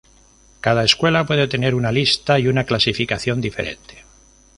Cada escuela puede tener una lista y una clasificación diferente.